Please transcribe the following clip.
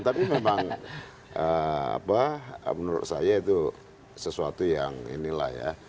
tapi memang menurut saya itu sesuatu yang inilah ya